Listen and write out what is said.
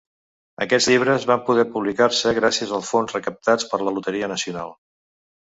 Aquests llibres van poder publicar-se gràcies als fons recaptats per la loteria nacional.